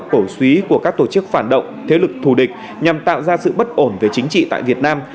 cổ suý của các tổ chức phản động thế lực thù địch nhằm tạo ra sự bất ổn về chính trị tại việt nam